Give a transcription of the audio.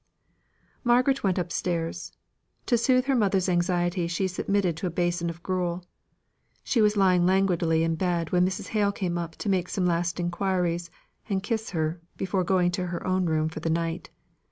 Margaret went up stairs. To soothe her mother's anxiety she submitted to a basin of gruel. She was lying languidly in bed when Mrs. Hale came up to make some last inquiries and kiss her before going to her own room for the night.